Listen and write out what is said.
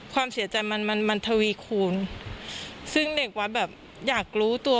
ความเสียใจมันมันทวีคูณซึ่งเด็กวัดแบบอยากรู้ตัว